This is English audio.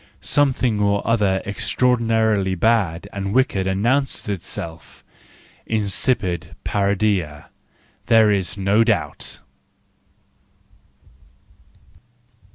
Something or other extraordinarily bad and wicked announces itself: incipitparodia ,, there is no doubt